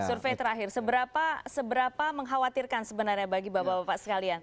survei terakhir seberapa mengkhawatirkan sebenarnya bagi bapak bapak sekalian